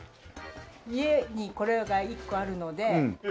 家にこれが１個あるのでこれですね。